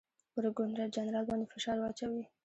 پر ګورنرجنرال باندي فشار واچوي.